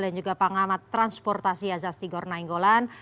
dan juga pangamat transportasi azaz tigor nainggolan